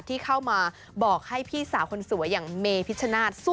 ที่เข้ามาบอกให้พี่สาวคนสวยอย่างเมพิชชนาธิ์